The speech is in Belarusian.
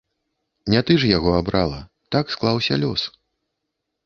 Не ты ж яго абрала, так склаўся лёс.